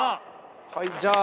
はいじゃあ。